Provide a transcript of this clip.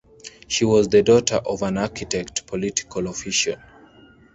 She was the daughter of an architect political official.